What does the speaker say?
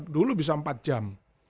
dulu bisa empat jam